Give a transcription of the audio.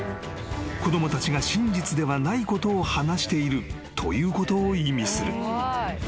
［子供たちが真実ではないことを話しているということを意味する］